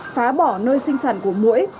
phá bỏ nơi sinh sản của mũi